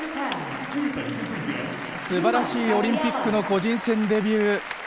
素晴らしいオリンピックの個人戦デビュー。